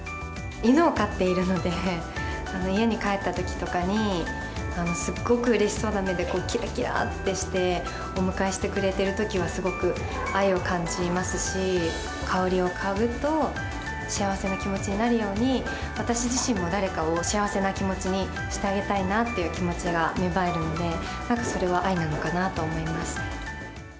犬を飼っているので、家に帰ったときとかに、すっごくうれしそうな目できらきらってして、お迎えしてくれてるときは、すごく愛を感じますし、香りを嗅ぐと、幸せな気持ちになるように、私自身も誰かを幸せな気持ちにしてあげたいなっていう気持ちが芽生えるので、なんかそれは、愛なのかなと思います。